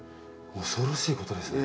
恐ろしいことですね。